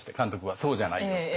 「そうじゃないよ」って。